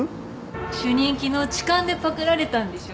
主任昨日痴漢でパクられたんでしょ？